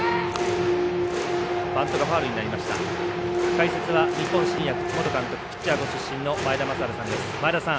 解説は日本新薬元監督ピッチャーご出身の前田正治さんです。